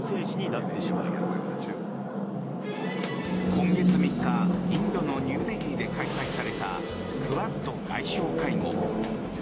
今月３日インドのニューデリーで開催されたクアッド外相会合。